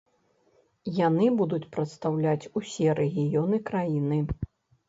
Яны будуць прадстаўляць усе рэгіёны краіны.